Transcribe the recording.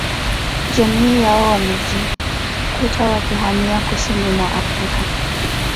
Jamii yao wamejikuta wakihamia kusini mwa Afrika